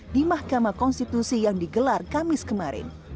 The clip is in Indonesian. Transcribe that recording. di mahkamah konstitusi yang digelar kamis kemarin